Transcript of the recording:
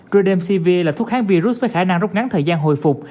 redemsevere là thuốc kháng virus với khả năng rút ngắn thời gian hồi phục